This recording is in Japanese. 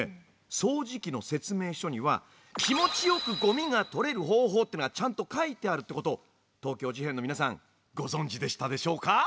掃除機の説明書には気持ちよくゴミが取れる方法っていうのがちゃんと書いてあるってことを東京事変の皆さんご存じでしたでしょうか？